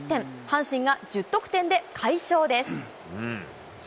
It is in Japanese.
阪神が１０得点で快勝です。